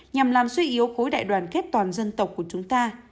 nhằm làm suy yếu khối đại đoàn kết toàn dân tộc của chúng ta